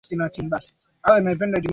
ali majdi ni mmoja wa wananchi hao